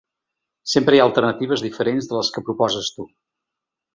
Sempre hi ha alternatives diferents de les que proposes tu.